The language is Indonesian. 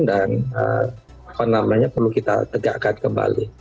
dan apa namanya perlu kita tegakkan kembali